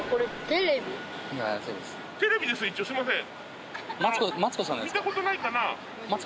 テレビですすいません。